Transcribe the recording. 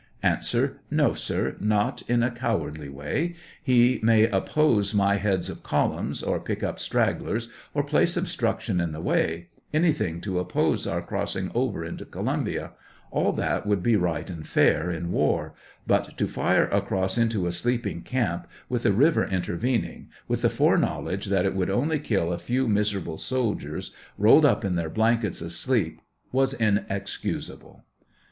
A. No, sir, not in a cowardly way ; he may oppose my heads of columns, or pick up stragglers, or place obstructions in the way — anything to oppose our crossing over into Columbia ; all that would be right and fair in war, but to fire across into a sleeping camp, with a river intervening, with the foreknowledge that it would only kill a few miserable soldiers, rolled up in their blankets asleep, was inexcusable.